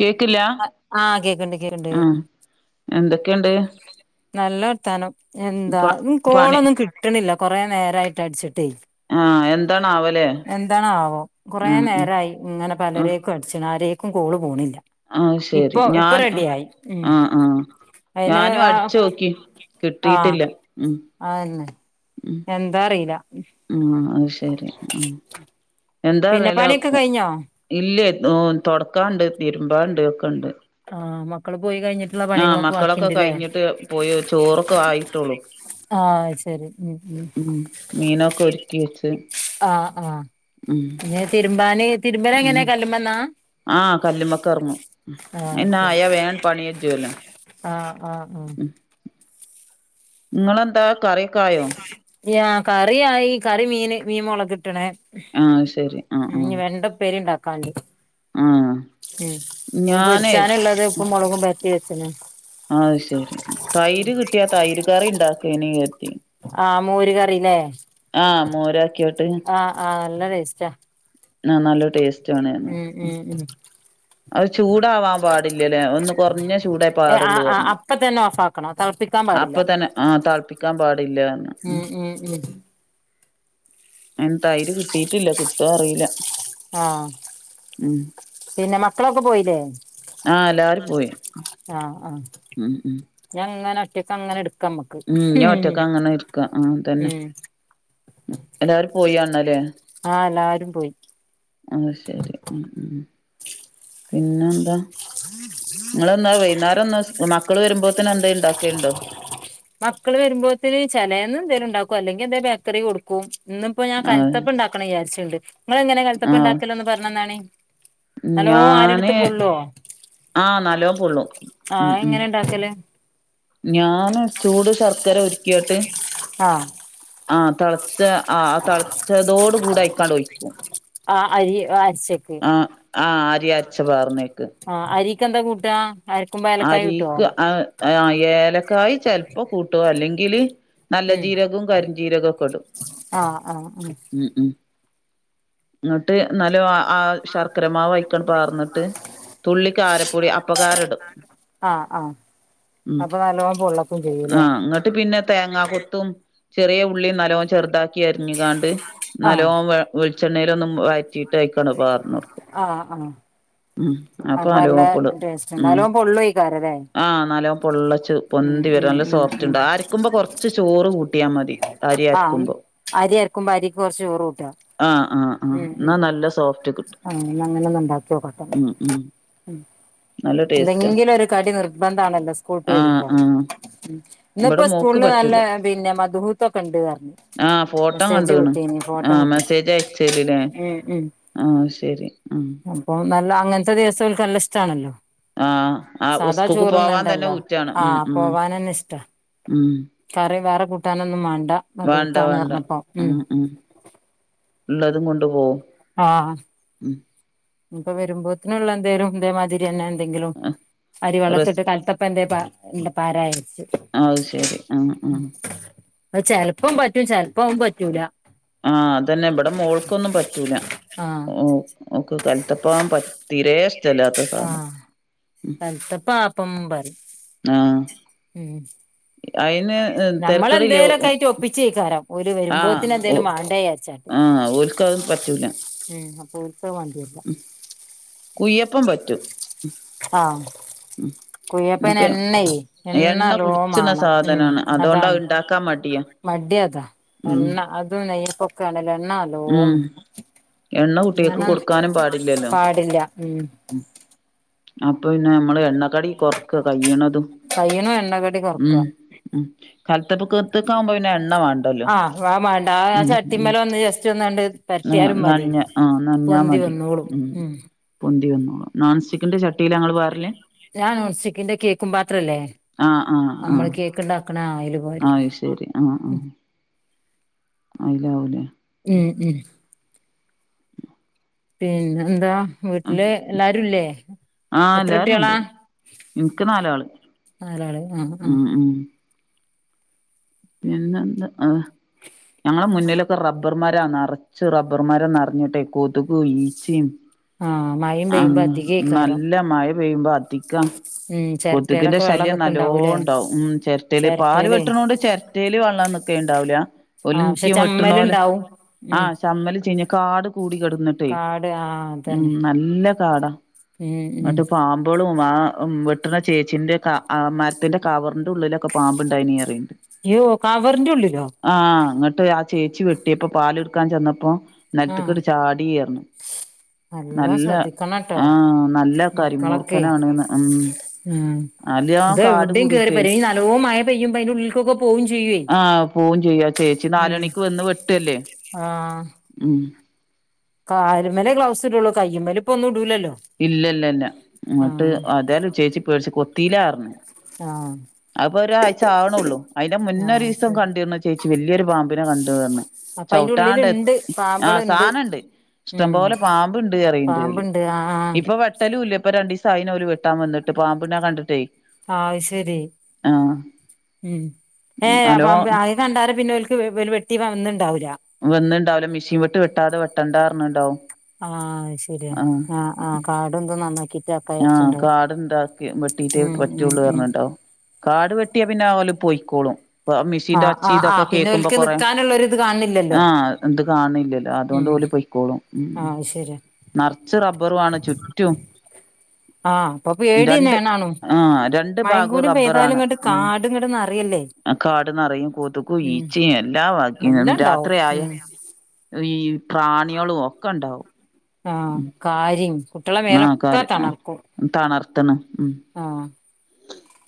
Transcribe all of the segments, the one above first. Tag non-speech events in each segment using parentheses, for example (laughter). കേക്കില്ല (unintelligible) ആഹ് കേക്കണ്ട് കേക്കണ്ട്. ആഹ് എന്തൊക്കെയുണ്ട് നല്ല വർത്താനം എന്താ പ പണി കോളൊന്നും കിട്ടണില്ല കൊറേ നേരായിട്ട് അടിച്ചിട്ടേ. (unintelligible) (inaudible) എന്താണാവോ? കുറെ ആഹ് ഉം നേരായി ഇങ്ങനെ ആഹ് പലരേക്കും (unintelligible) ആരേക്കും കോള് പോണില്ല. ആഹ് ശരി ഇപ്പൊ ഇപ്പൊ ഞാൻ ആഹ് റെഡിയായി. ആഹ് അയിന് ഞാനും ആ അടിച്ചോക്കി ആ കിട്ടിയിട്ടില്ല അതന്നെ ഉം എന്താറീല ഉം അഹ്ശെരി. പിന്നെ പണീക്കെ കഴിഞ്ഞോ? ഇല്ലേ തൊട്ക്കാണ്ട് തിര്മ്പാണ്ട് ഒക്കെണ്ട് ആഹ് മക്കള് പോയി കഴിഞ്ഞിട്ടുള്ള ആഹ് പണികളൊക്കെ മക്കളൊക്കെ ബാക്കിണ്ട്ല്ലേ കഴിഞ്ഞിട്ട് പോയൊ ചോറൊക്കെ ആയിട്ടോള്ളു ആഹ് ശരി ഉം ഉം മീനൊക്കെ ഒരുക്കി വെച്ച് ആഹ് ആഹ് ഉം ഏഹ് തിര്മ്പാന് തിര്മ്പലെങ്ങനെ ഉം കല്ലുമ്മെന്നാ ആഹ് കല്ലിമ്മക്കെർങ്ങും ശരി അയ്നായാ വേൺ പണിയാജ്ജോല്ലോ ആഹ് ആഹ് ആഹ് ഇങ്ങളെന്താ കറ്യൊക്കായൊ യാ കറിയായി കറി മീന് മീൻ മൊളകിട്ടിണ് ആഹ് ശരി ആഹ് ആഹ് ഞ് വെണ്ട ഉപ്പേരിണ്ടാക്കാണ്ട് ആഹ് ഉം മീൻ ഞാനേ പൊരിച്ചാന്ള്ളത് ഉപ്പും മോളകും പെര്ത്തി വെച്ച്ണ് ആഹ് ശെരി തൈര് കിട്ടിയാ തൈര് കറി ണ്ടാക്കെനി കേര്തി ആഹ് മോര് കറീലെ ആഹ് മോരാക്ക്യോട്ട് ആഹ് ആഹ് ല്ല ടേസ്റ്റാ ആ നല്ല ടേസ് ഉം ഉം ഉം അഹ് ചൂടാവാം പാടില്ല്യലേ ഒന്ന് കൊർഞ്ഞ ചൂടേ പാടൊള്ളൂ അർണു പ്പതെന്നെ ഓഫാ അപ്പ തന്നെ ആഹ് തൾപ്പിക്കാം പാടില്ലാന്ന് ഉം അൻ തൈര് കിട്ടിയിട്ടില്ല കിട്ടോ അറിയില്ല ആഹ് പിന്നെ മക്കളൊക്കെ പോയിലെ ആഹ് എല്ലാരും പോയി ഉം ഉം ഞങ്ങന ഒറ്റക്കങ്ങെനെ എട് ഉം ഞോറ്റക്കങ്ങനെ ഇര്ക്ക ആഹ് തന്നെ ഉം എല്ലാരും പോയാന്നാല്ലേ ആഹ് എല്ലാരും പോയി എന്നാ ശരി ഉം ഉം പിന്നെ എന്താ ഇങ്ങളിന്നാ വൈന്നാരൊന്ന് മക്കള് വരുമ്പോത്തിന് എന്തേ ഇണ്ടാക്കേൽണ്ടോ മക്കള് വെരുമ്പോത്തിന് ചേലെന്ന്ന്തേലുണ്ടാക്കും അല്ലേങ്കെന്തെ ബേക്കറി കൊട് കും ഇന്ന്പ്പ ഞാൻ ആ കൽത്തപ്പണ്ടാക്കണം ഇയാര്ച്ച്ണ്ട് ഇങ്ങളെങ്ങനെ ആ കൽത്തപ്പണ്ടാക്കലോന്ന് പറ്ഞ്ഞന്നാണി ഞാന് ആഹ് നല്ലോം പൊള്ളൂ ഉം ആഹ് ഉം എങ്ങനെ ഉണ്ടാക്കല് ഞാന് ചൂട് ശർക്കര ഒരുക്കിയിട്ട് ആഹ് ആഹ് തൾച്ച ആഹ് തളച്ചതോട് കൂടെ അയ്ക്കാണ്ട് ഒയ്ക്കും ആഹ് അരി വാ ആഹ് ആഹ് അരി അര്ച്ച് പാർന്നേക്ക് ആഹ് അരീക്കെന്താ കൂട്ടാ അരക്കുമ്പോ ഏലക്കായ ഇട്ടോ അരീക്ക് അയ് ആഹ് ഏലക്കായി ചെൽപ്പ കൂട്ടു അല്ലെങ്കില് നല്ല ഉം ജീരകും കര്ജീരകൊക്കെടും ആഹ് ആഹ് ആഹ് ഉം ഉം ഇങ്ങട്ട് നല്ലോ ആഹ് ആഹ് ശർക്കരമാവ് അയ്ക്കൺ പാർന്നിട്ട് തുള്ളിക്കാരപ്പൊടി അപ്പകാരടും ആഹ് ആഹ് ഉം അപ്പൊ നല്ലോണം പൊള്ളക്കും ചെയ്യൂല്ലേ ആഹ് ങ്ങട്ട് പിന്നെ തേങ്ങ കൊ ത്തും ചെറിയ ഉള്ളി നല്ലോം ചെറുതാക്കി അര്ഞ്ഞ് കാണ്ട് ആഹ് നല്ലോം വേ വെൾച്ചെണ്ണേലോന്നും വയ്റ്റീട്ട് അയിക്കാണ് പാഓന്നൊട്ക്കും ഉം അപ്പൊ അപ്പ നല്ലോ നല്ല ടേസ്റ്റ്ണ്ട് അല്ലോ പൊള്ളുക്കാരലെ ആഹ് നല്ലോം പൊള്ളച്ച് പൊന്തി വരും ഉം നല്ല ഉം ഉം സോഫ്റ്റ്ണ്ട അര്ക്കുമ്പോ കൊറ്ച്ച് ചോറ് കൂട്ടിയാ മതി അരി ആഹ് അര്ക്കുമ്പോ അരി അരക്കുമ്പോ അരിക്ക് കുറച്ച് ചോറ് കൂട്ടാ ആഹ് ആഹ് ആഹ് ഉം എന്നാ ഉം നല്ല സോഫ്റ്റ് കിട്ടും അ അങ്ങനെ ഒന്ന് ഉണ്ടാക്കിയോക്കട്ട ഉം ഉം ഉം നല്ല ടേസ്റ്റാ എന്തെങ്കിലും ഒരു കടി നിർബന്ധാണല്ലോ സ്കൂൾട്ട് ആഹ് വരുമ്പോ ആഹ് ഇന്ന്പ്പോ ഇവിടെ മോക്ക് സ്കൂളിൽ നല്ല പറ്റൂല പിന്നെ മധുഹൂത്തോക്കെണ്ട് അർഞ്ഞ് ആഹ് ഫോട്ടോ കണ്ടുണ് ആ വിട്ടീനി മെസ്സേജ് അയച്ചേല് ല്ലേ ഉം ഉം ആഹ് ശരി ആഹ് അപ്പൊ നല്ല അങ്ങനത്തെ ദിവസൊല്ക്ക് നല്ലഷ്ടമാണല്ലോ ആഹ് ആ ഉസ്കൂക്ക് പോവാതന്നെ ഊറ്റാണ് ഉം ആഹ് ഉം പോവാനന്നെ ഇഷ്ടാ ഉം കറി വേറെ കൂട്ടാനൊന്നും മാണ്ട വേണ്ട വേണ്ട മദ്ഹൂത്താണ്റഞ്ഞപ്പം ഉം ള്ളതും കൊണ്ടുപോവും ആഹ് പ്പൊ വരുമ്പോത്തിനുള്ളന്തെലും ഇതേമാതിരിന്നെ എന്തെങ്കിലും ആ അരി റെസ് വളളത്തിട്ട് കലത്തപ്പന്തേ പ ന്ത പാരായരിച്ചു അത്ശരി ആഹ് ആഹ് അ ചെലപ്പം പറ്റും ചെലപ്പഉം പറ്റൂല ആഹ് അതന്നെ ഇബടെ മോൾക്കൊന്നും പറ്റൂല ആഹ് ഓ ഓക്ക് കലത്തപ്പം തീരെഷ്ടല്ലാത്ത സാധന കൽത്തപ്പാപ്പം പറിം ആഹ് ഉം അയിന് തെരക്കടില്ല നമ്മളന്തേലൊക്കായിട്ട് ഒ പ്പിച്ചേക്കാരം ഓല് ആഹ് വരുമ്പോത്തിന് ഓ ന്തേലും മാണ്ടേച്ചാ ആഹ് ഒൽക്കത് പറ്റൂല ഉം അപ്പൊ ഓൽക്കത് വാണ്ടിരുല്ല ഉം കുയ്യപ്പം പറ്റും ആഹ് ഉം കുയ്യപ്പന് പ്പ എണ്ണയേ എണ്ണ നല്ലോം കുടിച്ചണ മാണം സാധനാണ് അതുകൊണ്ടാ ണ്ടാക്കാൻ മടിയ മടിയതാ എണ്ണ അതും നെയ്യപ്പൊക്കെ ആണെലും എണ്ണ നല്ലോം ഉം മാണം എണ്ണ കുട്ട്യേക്ക് അങ്ങനെ കൊടുക്കാനും പാടില്ലല്ലോ പാടില്ല ഉം ഉ അപ്പൊ പിന്നെ നമ്മള് എണ്ണ കടി കൊറക്ക കയ്യണതും കയ്യ്ണ എണ്ണക്കടി കൊറക്ക ഉം ഉം കലത്തപ്പത്തക്കവുമ്പോ പിന്നെ എണ്ണമാ - ആഹ് വ മാണ്ട ആ ചട്ടിമ്മലൊന്ന് ജസ്റ്റ് ന്നണ്ട് പരറ്റിയാലും നഞ ആ നഞാ മതി ഉം പോന്തി വന്നോളും നോൺസ്റ്റിക്കിന്റെ ചട്ടിലാ ങ്ങള് പാരല് ഞാൻ നോൺസ്റ്റിക്കിന്റെ കേക്കും പാത്രല്ലേ നമ്മള് കേക്ക്ണ്ടാക്കണ അയില് പാരും ആയിശരി ആഹ് ആഹ് അയിലാവും ലെ ഉം ഉം പിന്നെന്താ ആഹ് വീട്ടില് എല്ലാരുംല്ലേ എത്ര എല്ലാരും കുട്ട്യാളാ ഉണ്ട് ഇൻക്ക് നാലാള് നാലാള് ആഹ് ആഹ് ഉം പിന്നെന്ത ആഹ് ങ്ങളെ മുന്നിലൊക്കെ റബ്ബർമാരാ നറച്ച് റബ്ബർ മരം നറഞ്ഞിട്ടെ കൊതുകും ഈച്ചിം ആഹ് മഴയും അം പെയ്യുമ്പോ അധികേക്കാരം നല്ല മഴ പെയ്യുമ്പോ അധികാ ഉം കൊതുകിന്റെ ചെരട്ടയിലൊക്കെ വെള്ളം ശല്യം നിക്ക്ണ്ടാവൂലേ നല്ലോണ്ടാവും ഉം ചെര്ട്ടേൽ പാല് ചെരട്ടേലേ വെട്ടണോണ്ട് ചര റ്റേല് വെള്ളംനിക്കെണ്ടാവൂല ഓൽ ആഹ് പക്ഷെ നിത്യം വെട്ടണോല് ചമ്മല്ണ്ടാവും ഉം ആഹ് ചമ്മല് ചീഞ്ഞ കാട് കൂടി കടന്നിട്ടേ കാട് ആഹ് ഉം അതന്നെ നല്ല കാടാ ഉം ഉം ന്നട്ട് പാ ഇപ്പോളും ആ വെട്ട്ണ ചേച്ചിന്റെ മരത്തിന്റെ കവറിന്റെ ഉള്ളിലൊക്കെ പാമ്പ ഇണ്ടായീന്ന് പറീണ്ട് യോ കവറിന്റെ ഉള്ളിലോ ആഹ് ന്നിട്ട് ആ ചേച്ചി വെട്ടിയപ്പൊ പാൽ എടുക്കാൻ ചെന്നപ്പോ ആഹ് നെലത്ത്ക്ക്ണ്ട് ചാടി ർഞ്ഞ് നല്ലോം നല്ല ശ്രദ്ധിക്കണട്ടോ ആ നല്ല മക്കളൊക്കെ കരിമൂർക്കനാണ്ന്ന് മ്മ് ഉം ഇതെ എവിടെയും കേയറി പെരകും ഇതേയ് നല്ലോ മഴ പെയ്യുമ്പോ അന്റെ ഉള്ളിൽക്കൊക്കെ പോവും ചെയ്യോ ആഹ് പോവും ചെയ്യും ആ ചേച്ചി നാല് മണിക്ക് വന്ന് വെട്ടല്ലേ ആഹ് ഉം കാൽമലല്ലേ ഗ്ലൗസ് ഇടോള്ളൂ കയ്യമ്മേൽ ഇപ്പൊ ഒന്നും ഇടൂലല്ലോ ഇല്ല ഇല്ല ഇല്ല എന്നിട്ട് ആഹ് ഏതായാലും ആ ചേച്ചി പേടിച്ചു കൊത്തീല്ല പറഞ്ഞു ആ അതിപ്പൊ ഒരാഴ്ച ആവണള്ളു അതിന്റെ മുന്നേ ഒരു ആഹ് ദിവസം ശരി കണ്ടീനു ചേച്ചി വലിയൊരു പാമ്പിനെ കണ്ട് പറഞ്ഞ് അപ്പൊ അയിന്റെ ഉള്ളില്ണ്ട് ചവിട്ടാണ്ടത്തി ആഹ് പാമ്പള്ണ്ട് സാധനണ്ട് ഇഷ്ടംപോലെ പാമ്പു ഇണ്ട് പറീണ്ട് ഓൽ ആ ആ ഇപ്പൊ വെട്ടലുല്ല ഇപ്പൊ രണ്ടീസായിന് ഓല് വെട്ടാൻ വെന്ന്ട്ട് പാമ്പിനെ കണ്ട്ട്ടേ ആ ശരി ഉം ഏ നല്ലോ ആ കണ്ടാലും പിന്നെ അവക്ക് വെട്ടി വന്നിണ്ടാവുല്ല വെന്ന്ണ്ടാവൂല്ല മിഷീൻ വെട്ട് വെട്ടാതെ വെട്ടണ്ടാ ർഞ്ണ്ടാവും ആ അത്ശരിയാ ആ ആ കാടും ഇതും നന്നാക്കി ആ കാട്ണ്ടാക്കി വെട്ടീട്ടേ ഉം ഉം പറ്റുള്ളൂ ഉം പർഞ്ട്ടോ കാട് വെട്ടിയാ പിന്നെ ഓൽ പോയിക്കോളും മെഷീന്റെ ആഹ് ഒച്ചി ആഹ് ഇതൊക്കെ ആഹ് പിന്നെ കേൾക്കുമ്പോ ഓൽക്ക് കൊറെേ നിക്കാനുള്ളൊരിത് കാണില്ലല്ലോ ആ ഇത് കാണില്ലല്ലോ അതോണ്ട് ഉം ഓല് പൊയ്ക്കോളും ഉം ആഹ് അത് ശരിയാ നർച്ച് റബ്ബറു ആണ് ചുറ്റും ആഹ് അപ്പൊ രണ്ട് പേടിയന്നെയാണാണും ആ രണ്ട് മഴയും ഭാഗവും കൂടി പെയ്താലും റബ്ബറാണ് ഇങ്ങട്ട് കാട് ഇങ്ങട്ട് നറയല്ലേ ആ കാട് നറയും കൊതുകും ഉം ഈച്ചിം എല്ലാ വാക്ക് എല്ലാം ഇണ്ടാവും രാത്രിയായ ഉം ഈ പ്രാണികളും ഒക്കെ ഉണ്ടാവും ആഹ കാര്യം, കുട്ടികളെ ഉം മേലൊക്കെ ആൾക്കാര് തണർക്കും തണർത്തണ് മ് ആ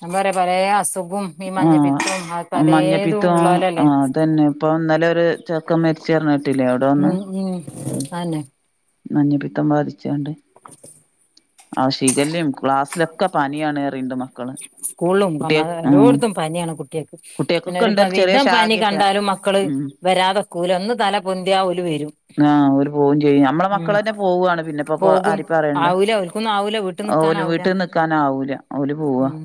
ഞാ പറയാ പലേ അസുഖും ഈ ആഹ് മഞ്ഞപ്പിത്തവും ആ പലേതും മഞ്ഞപ്പിത്തം ഉള്ളോലല്ലേ ആഹ് അതന്നെ ഇപ്പൊ ഇന്നലെ ഒരു ചെക്കൻ മരിച്ച് പറഞ്ഞ് കേട്ടില്ലേ അവിടെ ഉം ഉം അതന്നെ മഞ്ഞപിത്തം ബാധിച്ചാണ്ട് ആ ഷിഖല്ലിം ക്ലാസ്സില ഒക്കെ പാനിയാണ് പറീണ്ട് മക്ക സ്കൂളിലും എല്ലായിടത്തും പനിയാണ് കുട്ടികൾക്ക് പിന്നെ കുട്ടികൾക്കൊക്കെ ഒരു ഉണ്ട് ചെറിയ വിധം പനി ശാഖയൊക്കെ കണ്ടാലും മക്കള് ഉം വരാതെ നിക്കൂല ഒന്ന് തലപൊന്തിയാല് ഓര് വരും ആഹ ഓര് പോവും ചെയ്യും നമ്മളെ ഉം മക്കള തന്നെ പോവാണ് പിന്നെപ്പൊ പോകും ആരേം പറയണ്ട ആവൂല ഓൽക്കൊന്നും ആവൂല വീട്ടിൽ ഓൽ നിക്കാനാവൂല വീട്ടിൽ നിക്കാനാവൂല ഓല് പോവാ ഉം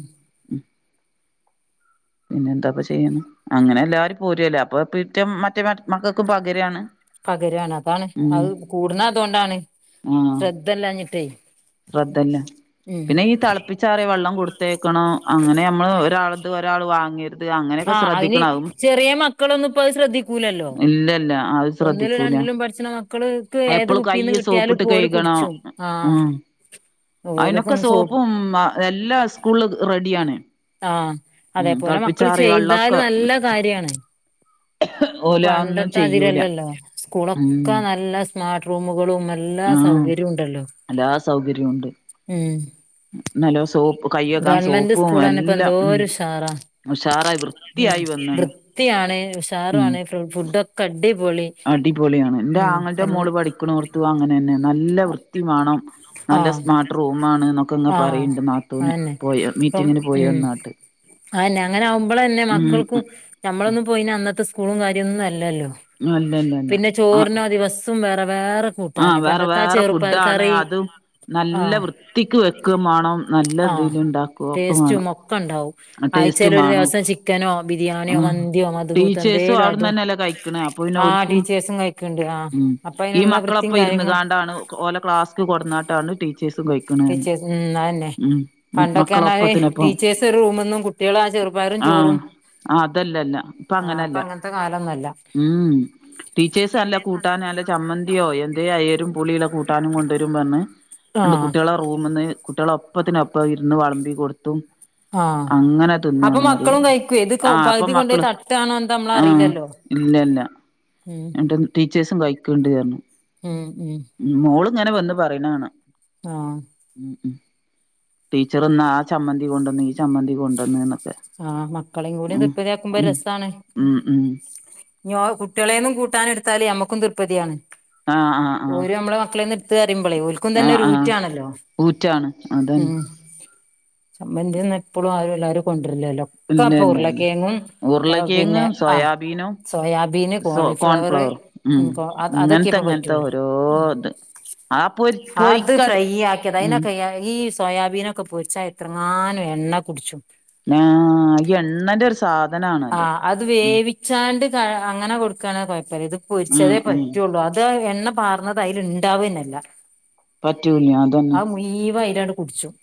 പിന്നെന്താപ്പൊ ചെയ്യ്ണ് അങ്ങനെ എല്ലാരും പോരല്ലെ അപ്പൊ പിറ്റ മറ്റേ മക്കൾക്കും പകരാണ് പകരാണ് അതാണ് അത് കൂട്ണതോണ്ടാണ് ആ ശ്രദ്ധല്ല ഉം പിന്നെ ഈ തിളപ്പ ച്ചാറിയ വെള്ളം കൊടുത്തയക്കണം അങ്ങനെ ഞമ്മള് ഒരാൾതൊരാള് വാങ്ങര് ആഹ് അതിന് ചെറിയ മക്കളൊന്നുംപ്പൊ അത് ശ്രദ്ധിക്കൂലല്ലോ ഇല്ലല്ല അത് ഒന്നിലും ശ്രദ്ധിക്കൂല രണ്ടിലും പഠിച്ച്ണ മക്കള് എപ്പളും കൈ സോപ്പിട്ട് കഴുകണം ആഹ് ഉം അയിനൊക്കെ ഓല്ക്കൊന്ന് സോ സോപ്പും എല്ലാ സ്കൂൾല് റെഡിയാണ് ആഹ ഉം അതേപോലെ മക്കള് തിളപ്പിച്ചാറിയ ചെയ്താല് വെള്ളൊക്കെ നല്ല കാര്യാണ് ഓല് അതൊന്നും ചെയ്യൂല പ്പപണ്ടത്താതിലല്ലല്ലോ ഉം സ്കൂളൊക്കനല്ല സ്മാർട്ട്‌റൂമുകളും മ എല്ലാ ആഹ് സൗകര്യോം ണ്ടല്ലോ ഉം മ് നല്ലൊസോപ്പ് കയ്യേകാൻ സോപ്പും എല്ലൊം ഇപ്പന്തോരുഷാറാ ഉം വൃത്തിയായി വന്നാണ് വൃത്തിയാണ് ഉം ഉഷാറുആണ് മ്ഫുഡൊക്കെ അടിപൊളി അടിപൊളിയാണ് ഉം എൽ ന്റാങ്ങളന്റെമോള് പഠിക്കിണോട് ത്തും അങ്ങനെന്നെ നല്ല വൃത്തി മാണം നല്ല ആഹ് സ്മാർട്ട് റൂമാണ്ന്നൊക്കങ്ങനെ ആഹ് പറയിണ്ട് നാത്തൂന് അതന്നെ പോയ മീറ്റിംഗിന് പോയി വന്നാട്ട് ആന്നെ അങ്ങനാവുമ്പളെന്നെ മക്കൾക്കും ഉം ഞമ്മളൊന്നും പോയീന അന്നത്ത സ്കൂളും കാര്യോന്നല്ലല്ലോ പിന്നെ അല്ലല്ലല്ല ചോറിനാ ദിവസോം വേറെ വേറെ അ കൂട്ടാന് പണ്ടത്തെ ആ വേറെവേറെ ചെറുപ്പയർ ഫുഡാണ് കറി അതും നല്ല ആഹ് വൃത്തിക്ക് വെക്കും മാണം നല്ലന്തെങ്കിലുണ്ടാക്കും ക്കോ മാണം ക്കണ്ടാവും ആഴ്ച്ചേല് ഒരുദിവസംചി ചിക്കനോ ബിരിയാന്യോ ആഹ് മന്തിയോ മദ്ഹൂത്ത് ടീച്ചേഴ്സും അവിടന്ന് ന്തേലതും തന്നെയല്ലേ കഴിക്കണേ അപ്പൊ പിന്നെ ആ ഓൽക്കും ടീച്ചേഴ്സും കഴിക്കും ക്ക്ണ്ട് ആ ഉം ഈ അപ്പയ്ന്ള്ള വൃത്തീം മക്കളൊപ്പം ഇരുന്ന് കാര്യങ്ങളൊ കാണ്ടാണ് ഓലെ ക്ലാസ്ക് കൊട്ന്നാട്ടാണ് ടീ ടീച്ചേഴ്സ്ന്നയെന്നെ പണ്ടൊക്കെന്നർഞ്ഞാല് മക്കളൊപ്പത്തിനൊപ്പം ടീച്ചേഴ്സറൂമുന്നുംകു കുട്യോളാ ചെറുപയറും ചോറും ആ അതല്ലല്ല ഇപ്പങ്ങനല്ല അല്ല ഉം ടീച്ചേഴ്സ് നല്ല കൂട്ടാന് നല്ല ചമ്മന്തിയോ എന്തേയാഎരും പുളിള്ള കൂട്ടാനും കൊണ്ട് തരുംപറഞ് ആഹ് ന്ന്ട്ട്കുട്ട്യാളെ റൂമ്ന്ന് കുട്ട്യാളൊപ്പത്തിനൊപ്പം ഇരുന്ന് വെളമ്പി കൊട്ത്തും അങ്ങനെതിന്നാണ്ന്നറിയും ക്ക് ത്ക്കൊ പകുതി കൊണ്ടായി തട്ടാണെന്താ ആഹ് നമ്മളറിയിലല്ലോ മ് ടീച്ചേഴസും കൈക്ക്‌ണ്ട് പറഞ് മ് മ് മോള്ങ്ങനെവന്ന് പറയിണകാണാ ഉം ഉം ഉം ടീച്ചറ്ന്ന് ആ ചമ്മന്തി കൊണ്ടന്ന് ഈ ചമ്മന്തി കൊണ്ടന്ന്ന്ന് ആ... മക്കളേ കൂടി തൃപ്പിത്യാക്കുമ്പോ ഉം രസാണ് ഉം ഉം ഞോ കുട്ട്യളെന്നും കൂട്ടാന്ട്ത്താല് ഞമ്മക്കും തൃപ്പത്യാണ് ആഹ് ആ.. ഓര് മ്മളെ മക്കളെന്ന്ട്ത്ത്ന്ന് പറയിമ്പള് മ്മക്കും ആഹ് തന്നെരു ആഹ് ഊറ്റാണല്ലോ ഊറ്റാണ് അതന്നെ. സംബന്തിയെന്നെപ്പളും ആരും എല്ലാരും കൊണ്ട്രലില്ലാലോ ഇല്ല ഒക്കെപ്പാ ഇല്ല ഇല്ല ഉർലകെയങ്ങും പ്പപിന്നെ ഉരുളക്കിഴങ്ങും ആ സോയാബീനും സോയാബീന് സോ കോളിഫ്ലവറ് കോൺഫ്ലവറും ഉം ഞ്ഞിപ്പോ അ ഇങ്ങനത്തെ അതക്കെപ്പൊ ഇങ്ങനത്തെ പറ്റൊള്ളൂ ഓരോ ഉം ഇത് ആ പൊരി ആത് പൊരിക്കടി ഫ്രൈയാക്കിയത് ഉം അയ്നൊക്കെ എ ഈ സോയാബീനൊക്കെ പൊരിച്ചാ എത്രങ്ങാനും എണ്ണ കുടിച്ചും ആ.. ഇ എണ്ണന്റൊരു സാധനാണ് ആ.. അത് വേവി ച്ചാണ്ട് ക അങ്ങനെ കൊടുക്കാണെങ്കി കൊയപ്പല്ല്യാ ഇത് ഉം പൊരിച്ചതേ ഉം പറ്റൊള്ളൂ അത് എണ്ണ പാർന്ന അതയ്ല്ണ്ടാവന്നല്ല പറ്റൂല്ലതന്നെ മീവം അയ്ലങ്ങട് കുടിച്ചും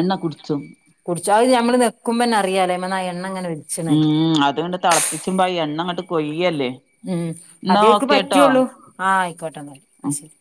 എണ്ണെ കുടിച്ചും കുടിച്ചാ അ ഞമ്മള്നെക്ക്മ്പന്നറിയാലെ ണ്ണങ്ങനെ ഉറ്റും ഉം.. അത്ങ്ങട് തെളപ്പിച്ച്മ്പാ എണ്ണങ്ങട് കൊയ്യ ല്ലേ ഉം അതേക്ക് പറ്റൊള്ളൂ ആ ഉം ആയിക്കോട്ടെന്നാല്